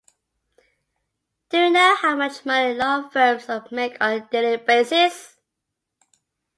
Do you know how much money law firms make on a daily basis?